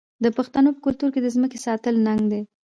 د پښتنو په کلتور کې د ځمکې ساتل ننګ دی.